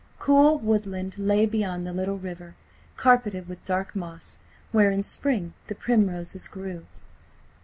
Cool woodland lay beyond the little river, carpeted with dark moss, where in spring the primroses grew.